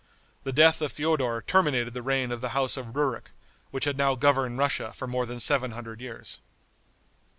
The death of Feodor terminated the reign of the house of Ruric, which had now governed Russia for more than seven hundred years.